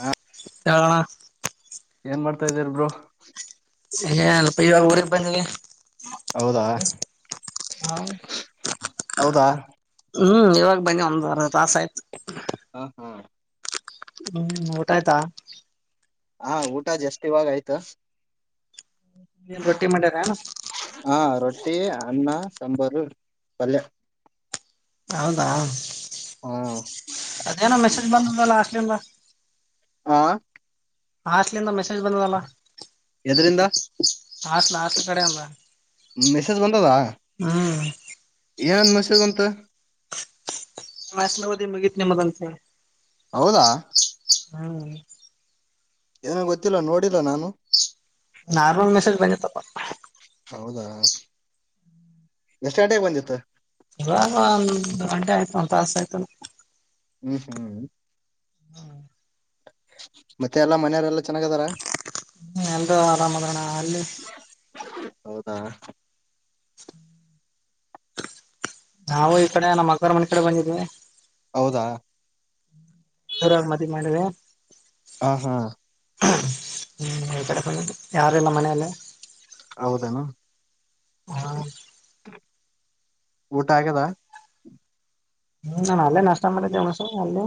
ಹಾ ಏನ್ ಮಾಡ್ತಾ ಇದಾರ್ ಬರು ಏ ಅಲ್ಪ ಇವಾಗ ಊರಿಗೆ ಬಂದಿ ಹೌದಾ ಹಾ ಹೌದಾ ಹ್ಮ್ ಇವಾಗ ಬನ್ನಿ ಒಂದ್ ತಾಸ ಆಯ್ತು ಹಾ ಹಾ ಹ್ಮ್ ಊಟಾಯ್ತಾ ಹಾ ಊಟ ಜಾಸ್ತಿವಾಗ ಆಯ್ತಾ ನೀನು ರೊಟ್ಟಿ ಮಾಡ್ಯರ ಹಾ ರೊಟ್ಟಿ ಅನ್ನ ಸಾಂಬಾರು ಪಲ್ಯ ಹೌದಾ ಅದೇನ ಮೆಸೇಜ್ ಬಂದದಲ್ಲ ಅಷ್ಟಲಿಿಂದ ಹಾ ಹಾಸ್ಲಿಂದ ಮೆಸೇಜ್ ಬಂದದಲ್ಲ ಎದ್ರಿಂದ ಹಟ್ಲ ಹಾಟ್ಲ ಕಡೆ ಅಂದ ಮೆಸೇಜ್ ಬಂದದಾ ಹ್ಮ್ ಏನ್ ಮಸ ಬಂತ ವಾಸನಾವದಿ ಬಗನೆ ಮದಸ ಹೌದಾ ಹ್ಮ ಏನ ಗೊತ್ತಿಲ್ಲ ನೋಡಿಲ್ಲ ನಾನು ನಾರ್ಮಲ್ ಮೆಸೇಜ್ ಬಂದತಪ್ಪ ಹೌದಾ ಎಷ್ಟುಟೆಗೆ ಬಂದಿತ್ತು ಹಾಗ ಒಂದ್ ಗಂಟೆ ಆಯ್ತು ಒಂದ್ ತಾಸ ಆಯ್ತು ಹ್ಮ್ ಹ್ಮ್ ಹ್ಮ ಮತ್ತೆ ಎಲ್ಲಾ ಮನೆಯವರೆ ಎಲ್ಲಾ ಚೆನ್ನಾಗ ಅದಾರ ಹ್ಮ ಎಲ್ಲ ಆರಾಮ್ ಅದ್ರಣ್ಣ ಅಲ್ಲಿ ಹೌದಾ ನಾವು ಈ ಕಡೆ ನಮ್ಮ ಅಕ್ಕರ್ ಮನೆ ಕಡೆ ಬಂದಿದ್ವಿ ಹೌದಾ ಜರಾಗ ಮತ್ತ ಮಾಡ್ರ ಹ ಹಾ ಈ ಕಡೆ ಯಾರಳ್ಳ ಮನೆಯೆಯಲ್ಲಿ ಹೌದೇನು ಹ ಊಟ ಆಗ್ಯದ ಹ್ಮ್ ನಾನನ್ ಅಲ್ಲೇ ನಷ್ಟ ಮಾಡೆಮಣಸು ಅಲ್ಲೇ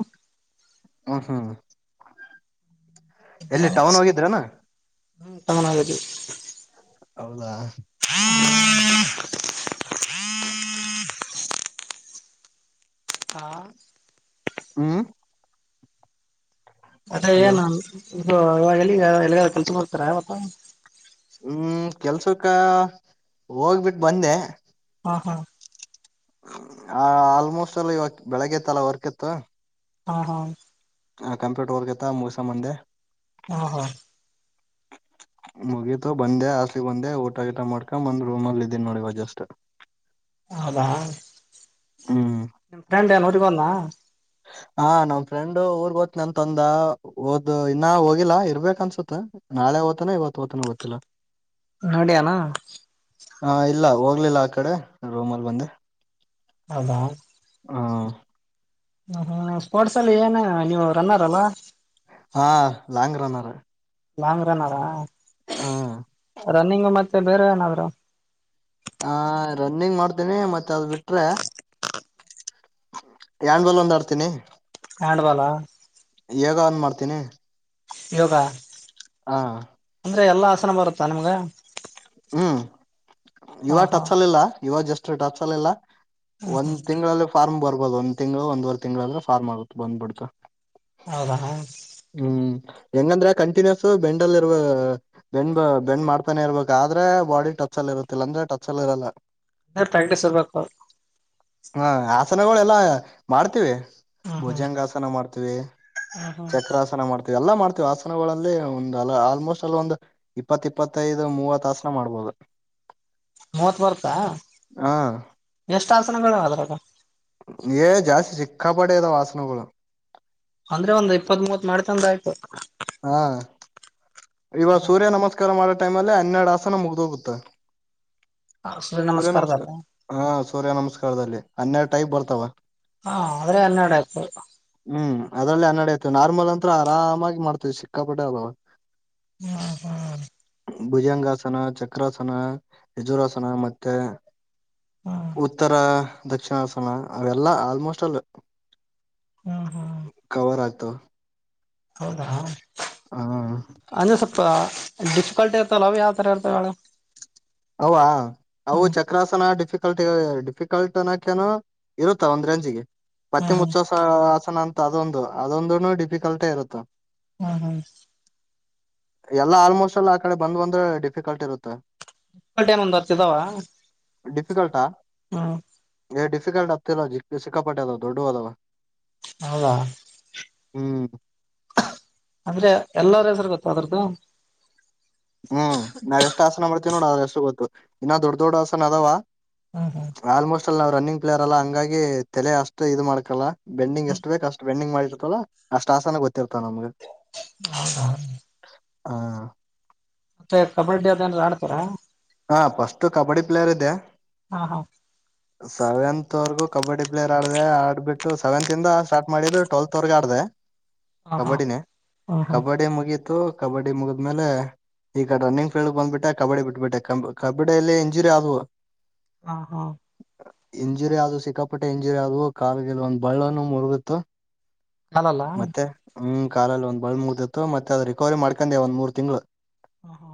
ಹ ಹಾ ಎಲ್ಲಿ ಟೌನ್ ಹೋಗಿದ್ರನಾ ಹ್ಮ ತನಿ ಹೌದಾ ಹಾ ಹಾ [unintelligible] ಹಾ ಹ್ಮ್ ಅದೇ ಹಲೋ ಏನ್ ಇ ಇವಾಗ ಎಗ ಕೆಲ್ಸ ಮಾಡ್ತಾರ ಅವವತ್ತ ಹ್ಮ್ ಕೆಲ್ಸಕ್ಕ ಹೋಗ್ಬಿಟ್ಟು ಬಂದೆ ಹಾ ಹಾ ಆ ಆಲ್ಮೋಸ್ಟ್ ಎಲ್ಲ ಇವತ್ತು ಬೆಳಗ್ಗೆತ್ತಲ್ಲ ವರ್ಕ್ ಇತ್ತು ಹಾ ಹಾ ಆಂಪ್ಯೂಟರ್ ವರ್ಕ್ ಇತ್ತಮೂಸ ಮಂದೆ ಹಾ ಹಾ ಮುಗೀತು ಬಂದೆ ಆಸ್ಲಿ ಬಂದೆ ಊಟ ಗಿಟ ಮಾಡ್ಕೊಂಡ್ ಬಂದ್ ರೂಮಲ್ಲಿ ಇದೀನಿ ನೋಡಿವ ಜಸ್ಟ್ ಹೌದಾ ಹ್ಮ್ ನಿಮ ಫ್ರೆಂಡ್ ಏನೋರಗ ಒಂದ ಹ ನಮ್ ಫ್ರೆಂಡ್ ಊರ್ಗ್ ಓತ್ನ ಅಂತಂತಂದ ಓದದು ಇನ್ನ ಹೋಗಿಲ್ಲಾ ಇರ್ಬೇಕ ಅನ್ಸುತ್ತ ನಾಳೆ ಓತನ ಇವತ್ತು ಓ್ತ ಗೊತ್ತಿಲ್ಲ ನೋಡಿಯಾನ ಹಾ ಇಲ್ಲ ಹೋಗ್ಲಿಲ್ಲ ಆ ಕಡೆ ರೋಮ್ ಅಲ್ಲಿ ಬಂದ್ರೆ ಅದ ಹ ಹ ಹ ಸ್ಪೋರ್ಟ್ಸ್ ಅಲ್ಲಿ ಏನ್ ನೀವು ರನ್ನರ್ ಅಲ್ಲಾ ಹಾ ಲಾಂಗ್ ರನರ್ ಲಾಂಗ್ ರನ್ರಾ ಹ್ಮ್ ರನ್ನಿಂಗ್ ಮತ್ತೆ ಬೇರೆ ಏನಾದ್ ಹ ರನ್ನಿಂಗ್ ಮಾಡ್ತೀನಿ ಮತ್ತೆ ಅದ ಬಿಟ್ರೆ ಯಾಣ ಬಲ್ ಒಂದ ಆಡ್ತೀನಿ ಹ್ಯಾಂಡ್ ಬಲ್ ಈಗ ಅನ್ ಮಾಡ್ತೀನಿ ಯೋಗಾ ಹಾ ಅಂದ್ರೆ ಎಲ್ಲಾ ಆಸನ ಬರುತ್ತಾ ನಿಮ್ಗ ಹ್ಮ್ ಹಾ ಇವಾಗ ಹಾ ಟಚ್ ಅಲ್ಲಿಲ್ಲ ಇವಾಗ ಜಸ್ ಟಚ್ ಅಲ್ಲಿಲ್ಲ ಹ್ಮ್ ಒಂದ್ ಹ್ಮ್ ತಿಂಗಳಗಳಲ್ಲಿಲ್ಲಿ ಫಾರ್ಮ್ ಬರ್ಬೋದು ಒಂದ್ ತಿಳ ಒಂದವರೆ ತಿಂಳ ಅ್ರ ರ್ ಆಗುತ್ತೆ ಬಂದ್ಬಿಡ್ತಾ ಹೌದಾ ಹ ಹ್ಮ್ ಹೆಂಗಂದ್ರ ಕಂಟಿನ್ಯೂಸ್ ಬೆಂಡಲ್ಲಿ ಇರುವ ಬೆಂಡ್ ಬೆಂಡ್ ಮಾಡ್ತಾನೆ ಇರ್ಬೇಕು ಆದ್ರೆ ಬಾಡಿ ಟಚ್ ಅಲ್ಲಿ ಇರತ್ತಿಲ್ಲ ಅಂದ್ರೆ ಟಚ್ ಅಲ್ಲಿ ಇರಲ್ಲ ಪ್ರ್ಯಾಕ್ಟೀ ಇರ್ಬೇಕು ಹಾ ಆಸನಗಳೆಲ್ಲಾ ಮಾಡ್ತೀವಿ ಹ್ಮ್ ಹ್ಮ್ ಭೋಜಂಗಾಸನ ಮಾಡ್ತೀವಿ ಹ್ಮ್ ಹ್ಮ್ ಚಕ್ರಾಸನ ಮಾಡ್ತೀವಿ ಎಲ್ಲಾ ಮಾಡ್ತೀವಿ ಆಸನಗಳಲ್ಲಿ ಒಂದು ಅಲ್ಲ ಆಲ್ಮೋಸ್ಟ್ ಅಲ್ಲ ಒಂದು ಇಪ್ಪತ್ ಇಪ್ಪತ್ತೈದು ಮೂವತ್ ಹಾಸನ ಮಾಡ್ಬೋದು ಮೂವತ್ ಬರ್ತಾ ಹ ಎಷ್ಟ ಆಸನಗಳ ಅದ್ರಾಗ ಜಾಸ್ತಿ ಸಿಕ್ಕಾ ಪಡದ ವಾಸನಗಳು ಅಂದ್ರೆ ಒಂದ್ ಇಪ್ಪತ್ ಮೂವತ್ ಮಾಡ್ ತಂದ ಆಯ್ತು ಹಾ ಇವ ಸೂರ್ಯ ನಮಸ್ಕಾರ ಮಾಡೋ ಟೈಮ ಅಲ್ಲಿ ಹನ್ನೆರಡ್ ಆಸನ ಮುಗ್ದ ಹೋಗುತ್ತಾ ಹ ಸೂರ್ಯ ನಮಸ್ಕಾರ ದದಾ ಹಾ ಸೂರ್ಯ ನಮಸ್ಕಾರದಲ್ಲಿ ಹನ್ನೆರಡು ಟೈಪ್ ಬರ್ತಾವ ಹಾ ಅದ್ರನ್ನ ಡಪ್ ಹ್ಮ್ ಅದ್ರಲ್ಲಲ್ಲಿ ಹನ್ಡತೆ ನಾರ್ಮಲ್ ಅಂತತ್ರ ಆರಾಮಾಗಿ ಮಾಡ್ತೇವಿ ಸಿಕ್ಕಾಪಟ್ಟೆ ಅಬ ಹಾ ಹಾ ಭುಜಂಗಾಸನ ಚಕ್ರಾಸನ ಯಜರಾಸನ ಮತ್ತೆ ಹ್ಮ್ ಉತ್ತರ ದಕ್ಷಿಣಾಸನ ಅವೆಲ್ಲಾ ಆಲ್ಮೋಸ್ಟ್ ಅಲ್ ಹ್ಮ್ ಹ್ಮ್ ಕವರ್ ಆಗುತ್ತೆ ಹೌದಾ ಹ ಹಾ ಅಂದ್ರೆ ಸ್ವಲ್ಪ ಡಿಫಿಕಲ್ಟ್ ಇರ್ತಲ್ಲ ಅವ ಯಾವ ತರ ಇರ್ತಾವ ಮೇಡ ಹವಾ ಅವು ಚಕ್ರಾಸನ ಡಿಫಿಕಲ್ಟ್ ಡಿಫಿಕಲ್ಟ್ ಅನಕನೋ ಇರುತ್ತ ಒಂದ್ ರಂಜಿಗೆ ಪತಿ ಹ್ಮ್ ಹ್ಮ್ ಮುಚ್ಚಸ ಆಸನ ಅಂತ ಅದೊಂದು ಅದೊಂದ ಡಿಫಿಕಲ್ಟೇ ಇರುತ್ತ ಹ್ಮ ಹಾ ಎಲ್ಲಾ ಆಲ್ಮೋಸ್ಟ್ ಎಲ್ಲ ಆ ಕಡೆ ಬಂದ್ ಬಂದ್ರೆ ಡಿಫಿಕಲ್ಟ್ ಇರುತ್ತೆ ಟ್ಟ ಏನ ಒಂದ್ ಆರ್ತಿದಾವ ಡಿಫಿಕಲ್ಟಾ ಹಾಂ ಏ ಡಿಫಿಕಲ್ಟ್ ಆಗ್ತಿಲ್ಲ ಸಿಕ್ಕಾಪಟ್ಟ ಅದ್ ದೊಡ್ಡ ಅದವ ಹೌದ ಹ್ಮ್ ಅಂದ್ರೆ ಎಲ್ಲರ ಹೆಸರು ಗೊತ್ತ ಅದ್ರದ್ದು ಹ್ಮ್ ನಾವ್ ಎಷ್ಟ್ ಆಸನ ಮಾಡ್ತೀವಿ ನೋಡ ಅ್ರ ಎಷ್ಟು ಗೊತ್ತು ಇನ್ನ ದೊಡ್ ದೊಡ್ ಆಸನ ಅದಾವ ಹಾ ಹಾ ಆಲ್ಮೋಸ್ಟ್ ಅಲ್ಲಿ ನಾವವು ರನ್ನಿ ಪ್ಲಯರ್ ಅಲ್ಲ ಹಂಗಾಗಿ ತಲೆ ಅಷ್ಟು ಇದು ಮಾಡಕಲ್ಲ ಬೆಂಡಿಂಗ್ ಎಷ್ಟು ಬೇಕ ಅಷ್ಟು ಬೆಂಡಿಂಗ್ ಮಾಡಿರ್ತಲ್ಲ ಅಷ್ಟ್ ಆಸನ ಗೊತ್ತಿರ್ತಾವ ನಮ್ಗ ಹೌದೌ [unintelligible] ಹಾ ಮತ್ತೆ ಕಬಡ್ಡಿ ಅದಏನ ಆ್ತರಾ ಹಾ ಪಫಸ್ಟ್ ಕಬಡ್ಡಿ ಪ್ಲೇಯರ್ ಇದೆ ಹಾ ಹಾ ಹ ಸೆವೆಂತ್ ವರೆಗೂ ಕಬಡ್ಡಿ ಪ್ಲೇಯರ್ ಆಡಿದೆ ಆಡ್ಬಿಟ್ಟು ಸೆವೆಂತ್ಂದ ಸ್ಟಾರ್ಟ್ ಮಾಡಿದ್ದು ಟ್ವೆಲ್ತ್ ವರೆಗ ಆಡ್ದಿದೆ ಹಾ ಹಾ ಕಬಡ್ಡಿನೇ ಹ್ಮ್ ಹ್ಮ್ ಕಬಡ್ಡಿ ಮುಗೀತು ಕಬಡ್ಡಿ ಮುಗಿದ್ಮೇಲೆ ಈಗ ರನ್ನಿಂಗ್ ಫೀಡ್ ಬಂದ್ಬಿಟ್ಟೆ ಕಬಡ್ಡಿ ಬಿಟ್ಬಿಟ್ಟೆ ಕ ಕಬ್ಬಡ್ಡಿ ಎಲ್ಲಿ ಎಂಜುರಿ ಆಗುವ ಹಾ ಹಾ ಇಂಜುರಿ ಆದ ಸಿಕ್ಕಾಪುಟ್ಟ ಇಂಜುರಿ ಆದದು ಕಾಲಗಲ್ ಒಂದ್ ಬಳ್ಳನು ಮುರುಗುತ್ತ ಕಾಲಲ್ಲ ಮತ್ತೆ ಹ್ಮ್ ಕಾಲಲ್ಲಿ ಒಂದ್ ಬಾಳ್ ಮುಗ್ದತ್ತು ಮತ್ತೆ ಅದ ರಿಕವರಿ ಮಾಡ್ಕೊಂಡೆ ಒಂದ್ ಮೂರು ತಿಂಗ್ಗಳು ಹ ಹ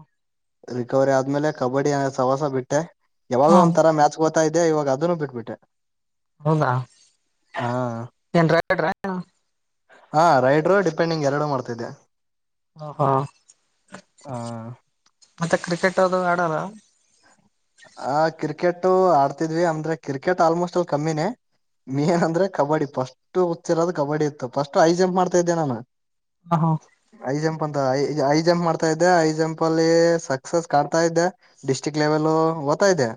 ರಿಕವರಿ ಆದ್ಮೇಲೆ ಕಬಡ್ಡಿ ಅ ಸವಾಸ ಬಿಟ್ಟೆ ಯಾವಾಗ ಒಂಥರ ಮ್ಯಾಚ್ ಗೋತಾ ಇದೆ ಇವಾಗ ಅದನ್ನು ಬಿಟ್ಬಿಟ್ಟೆ ಹೌದಾ ಹಾ ಏನ್ ರೈಡ್ರಾ ಏನು. ಹಾ ರೈಡ್ರು ಡಿಪೆಂಡಿಂಗ್ ಎರಡು ಮಾಡ್ತಿದ್ದೆ ಹ ಹಾ ಮತ್ತೆ ಕ್ರಿಕೆಟ್ ಅದು ಆಡಲ್ಲ ಆ ಕ್ರಿಕೆಟ್ ಆಡ್ತಿದ್ವಿ ಅಂದ್ರೆ ಕ್ರಿಕೆಟ್ ಆಲ್ಮೋಸ್ಟ್ ಅಲ್ಲಿ ಕಮ್ಮಿನೇ ಮೇನ್ ಅಂದ್ರೆ ಕಬಡ್ಡಿ ಫಸ್ಟ್ ಹಚ್ಚಿರೋದು ಕಬಡ್ಡಿ ಇತ್ತು ಫಸ್ಟ್ ಐ ಜಂಪ್ ಮಾಡ್ತಾ ಇದ್ದೆ ನಾನು ಹ ಹ ಐ ಜಂಪ್ ಅಂತಐ ಐ ಜಂಪ್ ಮಾಡ್ತಾ ಇದ್ದೆ ಐ ಜಂಪ್ ಅಲ್ಲಿ ಸಕ್ಸಸ್ ಕಾತಾ ಇದ್ದೆ ಡಿಸ್ಟ್ರಕ್ ಲೇವಲ್ ವತಾಯತ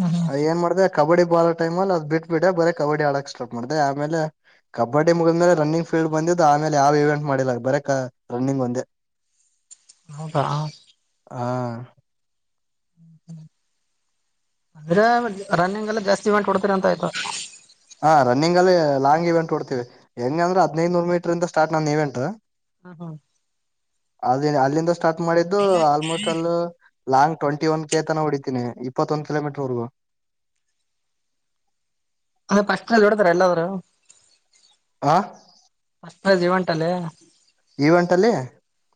ಹಾ ಹಾ ಏನ್ ಮಾಡಿದೆ ಕಬಡ್ಡಿ ಬಾಳ ಟೈಮ ಅ್ ಬಿಟ್ ಬಿಡ ಬರೇ ಕಬಡ್ಡಿ ಆಡಕ್ ಸ್ಟಾರ್ ಮಾಡಿದೆ ಆಮೇಲೆ ಕಬಡ್ಡಿ ಮುಗಿದ ಮೇಲೆ ರನ್ನಿಂಗ್ ಫೀಲ್ಡ್ ಬಂದಿದ್ದು ಆಮೇಲೆ ಯಾವ ಇವೆಂಟ್ ಮಾಡಿಲ್ಲಲಕ್ ಬರ ಕ ರನ್ನಿಂಗ್ ಒಂದೇ ಅ ಹೌದ ಹಾ ಆದ್ರೆ ರನ್ನಿಂಗ್ ಎಲ್ಲ ಜಾಸ್ತಿ ಇಮೆಂಟ್ ಕೊಡ್ತೀರಿ ಅಂತ ಆಯ್ತು ಹಾ ರನ್ನಿಂಗ ಅಲ್ಲಿ ಲಾಂಗ್ ಇವೆಂಟ್ ಕೊಡ್ತೀವಿ ಹೆಂಗ ಅಂದ್ರ ಹದಿನೈದುನೂರು ಮೀಟರ್ ಇಂದ ಸಾರ್ಟ್ ನನ್ನ ಇವೆಂಟ್ ಹಾ ಹಾ ಅಲ್ಲಿ ಅಲ್ಲಿಂದ ಸ್ಟಾರ್ಟ್ ಮಾಡಿದ್ದು ಆಲ್ಮೋಸ್ಟ್ ಅಲ್ಲ ಲಾಂಗ್ ಟ್ವೆಂಟ ಒನ್ಗೆೇತನ ಹೊಡಿತೀನಿ ಇಪ್ಪತ್ತೊಂದು ಕಿೋೀಟರ್ವಗೂ ಅ ಪಸ್ಟ್ಲ್ಲಿ ಬಿಡತಾರ ಎಲ್ಲಾದ್ರು ಹ ಮಸ್ ಜೀವಂಟಲ್ಲೆ ಈವೆಂಟ್ ಅಲ್ಲಿ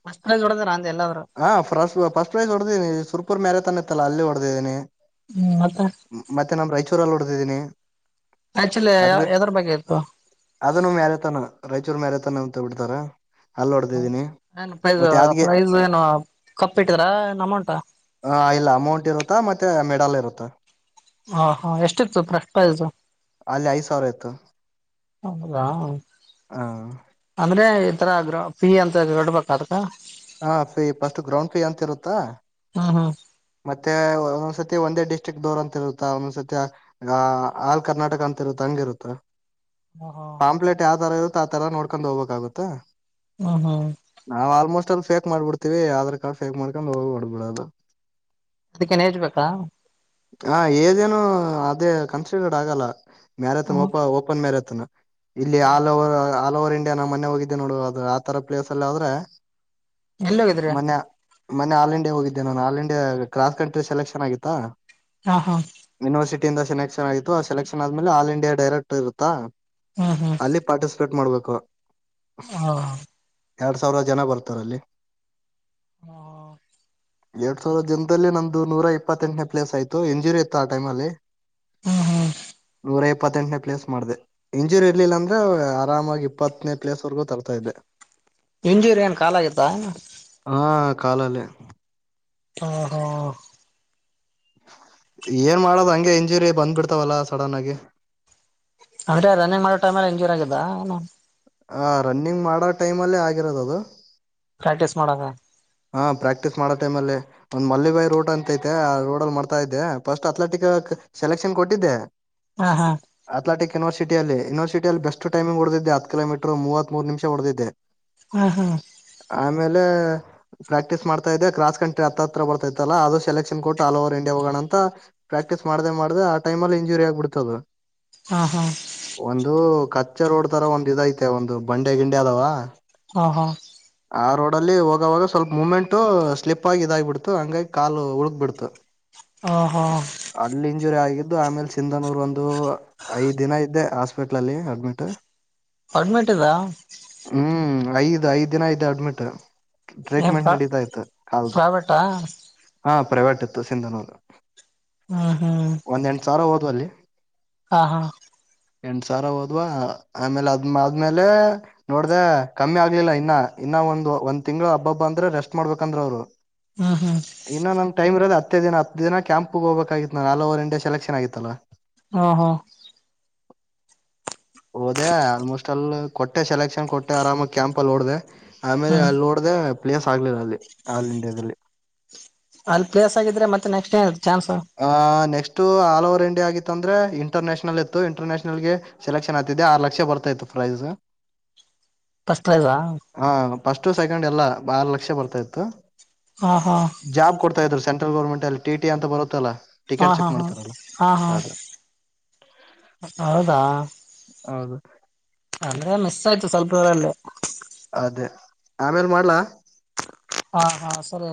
ಮಸ್ ಜೋಡಂದ್ರ ಅಂದ ಎಲ್ಲರು ಹಾಫಸ್ಟ್ ಫಸ್ಟ್ ಪ್ರೈಸ್ ಹೊಡೆ್ದೀನಿ ಸುಪೂರ್ ಮ್ಯಾರೇ ತನ್ ಇತ್ತಲ್ಲ ಅಲ್ಲಿ ಹೊಡೆದಿದ್ದೀನಿ ಹ್ಮ್ ಅತ್ತ ಮತ್ತೆ ನಮ್ ರಾಯಚೂರಲ್ಲಿ ಹೊಡೆದಿದ್ದೀನಿ ಆಕ್ಚುಲಿ ಅದ್ ಬೇ ಎದ್ರ ಬಗ್ಗೆ ಆತತ್ತು ಅದನ್ನು ಮ್ಯಾರೆತನ ರಾಯಚೂರು ಮ್ಯಾರೆತನ ಅಂತ ಬಿಡ್ತಾರ ಅಲ್ಲಿ ಹ ಹೊಡೆದಿದ್ದೀನಿ ಏನ್ ಪ್ರೈಸ್ ಮತ್ತೆ ಯಾವ್ದಗೆ ಪ್ರೈಸ್ ಏನು ಕಪ್ಪಿಟ್ಟರ ಏನ್ ಅಮೌಂಟ ಹ ಇಲ್ಲ ಅಮೌಂಟ್ ಇರುತ್ತಾ ಮತ್ತೆ ಮೆಡಲ್ ಇರುತ್ತಾ ಹಾ ಹಾ ಎಷ್ಟಿತ್ತು ಪ್ರಷ್ಟಯತು ಯಾಕ ಹಾ ಅಂದ್ರೆ ಈ ತರ ಗ್ರ ಫೀ ಅಂತ ಬಿಡ್ಬೇಕ್ ಅದಕ ಹಾ ಫೀ ಫಸ್ಟ್ ಗ್ರೌಂಡ್ ಫೀ ಅಂತ ಇರುತ್ತಾ. ಹಾ ಹಾ ಮತ್ತೆ ಒಂದ್ಸತಿ ಒಂದೇ ಡಿಸ್ಟ್ರಿಕ್ ದೋರ್ ಅಂತ ಇರುತ್ತ ಒಂದೊಂದ್ ಸತಿ ಆ ಆಲ್ ಕರ್ನಾಟಕ ಅಂತ ಇರುತ್ತ ಹಂಗ್ ಇರುತ್ತ. ಹ ಹಾ ಪಾಂಪ್ಲೆಟ್ ಯಾವ ತರ ಇರುತ್ತೆ ಆ ತರ ನೋಡ್ಕೊಂಡ್ ಹೋಗಬೇಕಾಗುತ್ತಾ. ಹ್ಮ ಹಾ ನಾವ್ ಆಲ್ಮೋಸ್ಟ್ ಅಲ್ ಫೇಕ್ ಮಾಡಬಿಡ್ತಿವಿ ಆಧಾರ್ ಕಾರ್ಡ್ ಫೇಕ್ ಮಾಡ್ಕೊಂಡು ಹೋಗಿ ಹೊದ್ಬ್ಡೋದು. ಅದಕ್ಕೇನ್ ಎಜ್ ಬೇಕಾ. ಹ ಏಜೇನೊ ಅದೇ ಕನ್ಸ್ಟಿರ್ಡ್ ಆಗಲ್ಲ ಮ್ಯಾರಥನ್ ಓಪ ಓಪನ್ ಮ್ಯಾರಥನ್. ಇಲ್ಲಿ all over all over India ನಾ ಮೊನೆ ಹೋಗಿದ್ದೆ ನೋಡು ಅ ಆತರ ಪ್ಲೇಸ್ ಅಲ್ಲಿ ಆದ್ರೆ ಎಲ್ಲಿ ಹೋಗಿದ್ರಿ ಮೊನ್ನೆ ಮೊನ್ನೆ ಆಲ್ ಇಂಡಿಯಾ ಹೋಗಿದ್ದೆ ನಾನು all India cross country selection ಆಗಿತ್ತಾ. ಹಾ ಹಾ ಯುನಿವರ್ಸಿಟಿಯಿಂದ ಸೆಲೆಕ್ಷನ್ ಆಗಿತ್ತು ಆ ಸಲೆಕ್ಷನ್ ಆದ್ಮೇಲೆ ಆಲ್ ಇಂಡಿಯಾ ಡೈರೆಕ್ಟ್ ಇರುತ್ತಾ. ಹಾ ಹಾ ಅಲ್ಲಿ ಪಾರ್ಟಿಸಿಪೇಟ್ ಮಾಡ್ಬೇಕು. ಹಾ ಎರಡು ಸಾವಿರ ಜನ ಬರ್ತಾರೆ ಅಲ್ಲಿ. ಹಾ [unintelligible] ನಮ್ದು ನೂರ ಇಪ್ಪತ್ತೆಂಟನೇ ಪ್ಲೇಸ್ ಆಯ್ತು ಇಂಜುರಿ ಇತ್ತು ಆ ಟೈಮ್ ಅಲ್ಲಿ. ಹ್ಮ ಹಾ ನೂರ ಇಪ್ಪತ್ತೆಂಟನೇ ಪ್ಲೇಸ್ ಮಾಡದೆ. ಇಂಜೂರಿ ಇರ್ಲಿಲ್ಲ ಅಂದ್ರೆ ಆರಾಮಾಗಿ ಇಪ್ಪತ್ತನೇ ಪ್ಲೇಸ್ ವರೆಗೂ ತರ್ತಾ ಇದೆ. ಇಂಜೂರಿ ಏನ್ ಕಾಲ ಆಗಿತ್ತಾ. ಹಾ ಕಾಲಲೇ ಹಾ ಹಾ ಏನ್ ಮಾಡೋದು ಹಂಗೆ ಇಂಜುರಿ ಬಂದ್ಬಿಡ್ತಾವಲ್ಲ ಸಡನ್ ಆಗಿ ಅದ್ರೆ ರನ್ನಿಂಗ್ ಮಾಡೋ ಟೈಮ್ ಅಲ್ಲಿ ಇಂಜೂರ್ ಆಗಿದ್ದ ಏನೂ. ಹ ರನ್ನಿಂಗ್ ಮಾಡೋ ಟೈಮಲ್ಲೇ ಆಗಿರೋದು ಅದು. ಪ್ರಾಕ್ಟೀಸ್ ಮಾಡಾಗ. ಹಾ ಪ್ರಾಕ್ಟೀಸ್ ಮಾಡೋ ಟೈಮಲ್ಲೇ ಒಂದ್ ಮಲ್ಲಿ ಬಾಯಿ ರೂಟ್ ಅಂತೈತೆ ಆ ರೋಡ್ ಅಲ್ಲಿ ಮಾಡ್ತಾ ಇದ್ದೆ ಫಸ್ಟ್ ಅಥ್ಲೆಟಿಕ್ ಸೆಲೆಕ್ಷನ್ ಕೊಟ್ಟಿದ್ದೆ. ಹಾ ಹಾ ಅತ್ಲೇಟಿಕ್ ಯೂನಿವರ್ಸಿಟಿಯಲ್ಲಿ ಯುನಿವರ್ಸಿಟಿಯಲ್ಲಿ ಬೆಸ್ಟ್ ಟೈಮಂಗ್ ಹೊಡೆದಿದ್ದ ಹತ್ತು ಕಿಲೋಮೀಟರ್ ಮೂವತ್ತು ಮೂರು ನಿಮಿಷ ಹೊಡೆದಿದ್ದೆ. ಹಾ ಹಾ ಆಮೇಲೆ ಪ್ರಾಕ್ಟೀಸ್ ಮಾಡ್ತಾ ಇದೆ ಕ್ರಾಸ್ ಕಂಟ್ರಿ ಹತ್ರ ಬರ್ತೈತಲ್ಲ ಅದು ಸೆಲೆಕ್ಷನ್ ಕೊಟ್ಟ್ ಆಲ್ ಒವರ್ ಇಂಡಿಯಾ ಹೋಗೋಣ ಅಂತಾ. ಪ್ರಾಕ್ಟೀಸ್ ಮಾಡ್ದೇ ಮಾಡ್ದೆ ಆ ಟೈಮ್ ಅಲ್ಲಿ ಇಂಜೂರಿ ಆಗ್ಬಿಡುತ್ತು ಅದು. ಹಾ ಹಾ ಒಂದು ಕಚ್ಚ ರೋಡ್ ತರ ಒಂದ್ ಇದೈತೆ ಒಂದು ಬಂಡೆ ಗಿಂಡೆ ಅದಾವಾ. ಹಾ ಹಾ ಆ ರೋಡ್ ಅಲ್ಲಿ ಹೋಗವಾಗ ಸ್ವಲ್ಪ ಮೂಮೆಂಟ್ು ಸ್ಲಿಪ್ ಆಗಿ ಇದಾಗಿ್ಬಿಡ್ತು ಹಂಗಾಗಿ ಕಾಲು ಉಳಗ್ಕ್ ಬಿಿಡ್ತು. ಹಾ ಹಾ ಅಲ್ಲಿ ಇಂಜುರಿ ಆಗಿದ್ದು ಆಮೇಲೆ ಸಿಂಧನೂರ್ ಒಂದು. ಐದ್ ದಿನ ಇದ್ದೆ ಹಾಸ್ಪಿಟ್ಲ ಅಲ್ಲಿ ಅಡ್ಮಿಟ್. ಅಡ್ಮಿಟ್ ಹ್ಮ್ ಐದ್ ಐದ್ ದಿನ ಐತೆ ಅಡ್ಮಿಟ್. ಏನ್ ಟ್ರೀಟ್ಮೆಂಟ್ ಪ್ರಾ ನಡೀತಾ ಇತ್ತು ಕಾಲ್ದು ಪ್ರೈವೇಟಾ ಹಾ ಪ್ರೈವೇಟ್ ಇತ್ತು ಸಿಂಧನೋದು. ಹ್ಮ್ ಹ್ಮ್ ಒಂದ್ ಎಂಟ ಸಾವಿರ ಹೋದವರು ಅಲ್ಲಿ. ಹಾ ಹಾ ಎಂಟ ಸಾವಿರ ಹೋದ್ವಾ ಆಮೇಲೆ ಅದ್್ಮ ಆದ್ಮೇಲೆ. ನೋಡ್ದ ಕಮ್ಮಿ ಆಗ್ಲಿಲ್ಲ ಇನ್ನ ಇನ್ನ ಒಂದ್ ಒಂದ್ ತಿಂಗಳು ಹಬ್ಬ ಹಬ್ ಅಂದ್ರೆ ರೆಸ್ಟ್ ಮಾಡ್ಬೇಕಂದ್ರ ಅವ್ರು. ಹ್ಮ ಹ್ಮ ಇನ್ನು ನ್ ೈಮ್ರೋದ ಹತ್ತೇಿನ ಹ ದಿನ ಕ್ಯಾಂಪ್ಗೆ ಹೋಗಬೇಕಾಗಿತ್ತು ನಾ ಓರ್ ಇಂಡೇ ಸೆಲೆಕ್ಷನ್ ಆಗಿತ್ತಲ್ಲ ಹಾ ಹಾ ಹೋದೆ ಆಲ್ಮೋಸ್ಟ್ ಅಲ್ಲಿ ಕೊಟ್ಟೆ ಸೆಲೆಕ್ಷನ್ ಕೊಟ್ಟೆ ಆರಾಮಾಗಿ ಕ್ಯಾಂಪ ಅಲ್ಲಿ ಓಡ್ದ ಆಮೇಲೆ ಅಲ್ಲಿ ನೋಡ್ದ ಪ್ಲೇಸ್ ಆಗ್ಲಿಿಲ್ಲ ಅಲ್ಲಿ ಹ ಆಲ್ ಇಂಡಿಯಾದಲ್ಲಿ ಅಲ್ಲಿ ಪ್ಲೇಸ್ಗ್ರೆ ಮತ್ತೆ ನೆಕ್ಟ್ಏ ಚಾನ್ಸ್. ಆಹ್ ನೆಸ್ಟ್ ಆಲ್ ಓವರ್ ಇಂಡಿಯಾ ಆಗಿತ್ತು ಅಂದ್ರೆ ಇಂಟರ್ನ್ಯಷನಲ್ ಇತ್ತು ಇಂಟರ್ನ್ಯಾನಲ್ಗೆ. ಸೆಲೆಕ್ಷನ್ ಆಗ್ತಿದ್ದ ಆರು ಲಕ್ಷ ಬರ್ತಾ ಇತ್ತು ಪ್ರೈಸ್. [inaudible] ಹಾ ಫಸ್ಟ್ ಸೆಕೆಂಡ್ ಎಲ್ಲಾ ಆರು ಲಕ್ಷ ಬರ್ತಾ ಇತ್ತು. ಹಾ ಹಾ ಜಾಬ್ ಕೊಡ್ತಾ ಇದ್ರು ಸೆಂಟ್ರಲ್ ಗರ್ಮೆಂಟ್ಲ್ಲಿ ಟಿಟಿ ಅಂತಾ ಬರುತ್ತಲ್ಲ. ಹಾ ಟಿಕೆಟ್ ಹಾ ಚೆಕ್ ಹಾ ಮಾಡ್ತಾರಲ್ಲ ಹಾ ಹಾ ಅದು ಹೌದಾ ಹೌದು ಅಂದ್ರೆ ಮಿಸ್ ಆಯ್ತು ಸ್ವಲ್ಪ ದರಲ್ಲಿ. ಅದೇ ಆಮೇಲ್ ಮಾಡ್ಲಾ. ಹಾ ಹಾ ಸರಿ